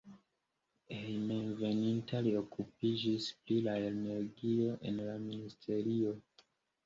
Hejmenveninta li okupiĝis pri la energio en la ministerio.